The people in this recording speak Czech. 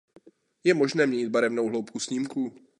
Je možné měnit barevnou hloubku snímku.